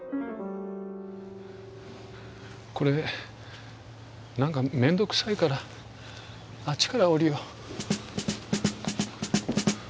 これ何かめんどくさいからあっちから降りよう。